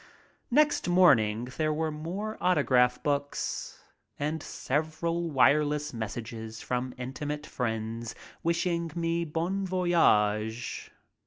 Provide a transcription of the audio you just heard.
Next morning there were more autograph books and several wireless messages from intimate friends wishing me bon voyage.